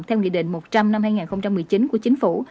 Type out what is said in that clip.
theo nghị định một trăm linh năm hai nghìn một mươi chín của chính phủ